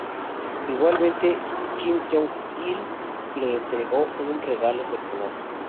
Igualmente, Kim Jong-il le entregó un regalo personal.